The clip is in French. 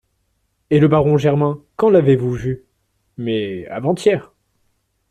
Et le baron Germain, quand l'avez-vous vu ? Mais ! avant-hier.